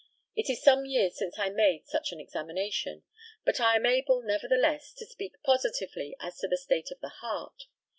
It is some years since I made such an examination; but I am able, nevertheless, to speak positively as to the state of the heart.